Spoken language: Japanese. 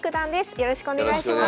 よろしくお願いします。